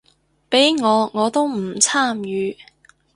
畀我我都唔參與